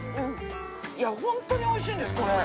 いやホントにおいしいんですこれ。